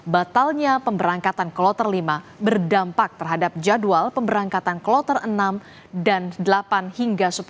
batalnya pemberangkatan kloter lima berdampak terhadap jadwal pemberangkatan kloter enam dan delapan hingga sepuluh